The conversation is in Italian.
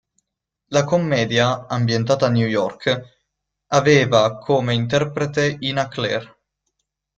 La commedia, ambientata a New York, aveva come interprete Ina Claire.